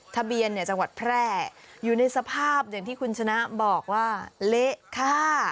ทะเบียนเนี่ยจังหวัดแพร่อยู่ในสภาพอย่างที่คุณชนะบอกว่าเละค่ะ